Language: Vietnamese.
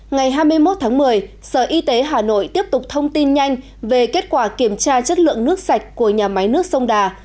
ngày hai mươi một tháng một mươi sở y tế hà nội tiếp tục thông tin nhanh về kết quả kiểm tra chất lượng nước sạch của nhà máy nước sông đà